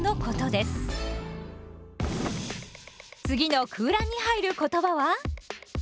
次の空欄に入る言葉は？